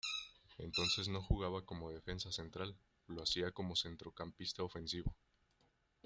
Entonces no jugaba como defensa central, lo hacía como centrocampista ofensivo.